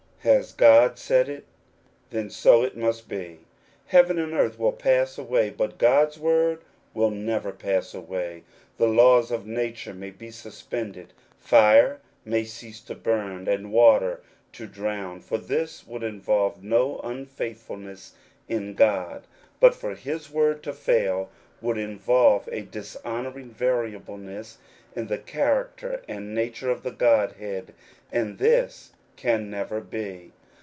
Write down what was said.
Has God said it ? Then so it must be. Heaven and earth will pass away, but God's word will never pass away. The laws of nature may be suspended : fire may cease to burn, and water to drown, for this would involve no un faithfulness in God; but for his word to fail would involve a dishonoring variableness in the character and nature of the Godhead, and this can never be.